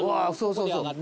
そうそう。